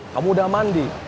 kamu udah mandi